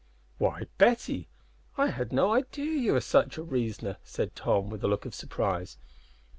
"Why, Betty, I had no idea you were such a reasoner!" said Tom, with a look of surprise.